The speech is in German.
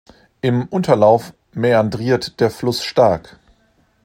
Im Unterlauf mäandriert der Fluss stark.